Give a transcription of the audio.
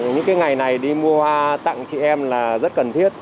những ngày này đi mua hoa tặng chị em là rất cần thiết